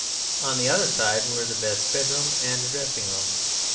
On the other side were the best bedroom and a dressing room.